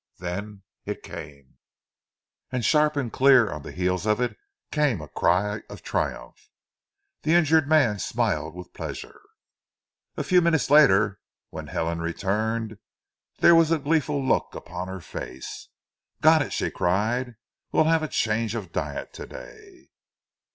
Then it came, and sharp and clear on the heels of it came a cry of triumph. The injured man smiled with pleasure. A few minutes later, when Helen returned, there was a gleeful look upon her face. "Got it!" she cried. "We'll have a change of diet today."